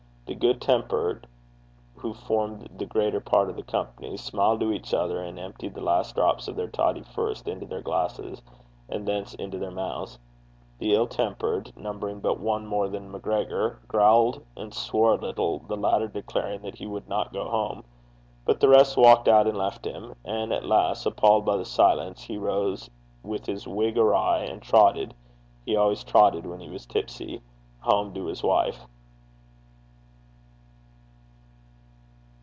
The good tempered, who formed the greater part of the company, smiled to each other, and emptied the last drops of their toddy first into their glasses, and thence into their mouths. The ill tempered, numbering but one more than MacGregor, growled and swore a little, the weaver declaring that he would not go home. But the rest walked out and left him, and at last, appalled by the silence, he rose with his wig awry, and trotted he always trotted when he was tipsy home to his wife.